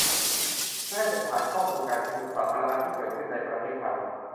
เพื่อให้เป็นฐานข้อมูลการชุมนุมสาธารณะที่เกิดขึ้นในประเทศไทย